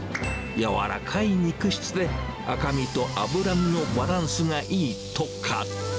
柔らかい肉質で、赤身と脂身のバランスがいいとか。